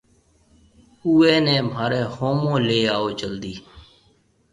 اُوئي نَي مهاريَ هومون ليَ آئو جلدِي۔